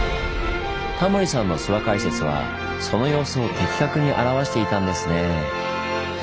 タモリさんの諏訪解説はその様子を的確に表していたんですねぇ。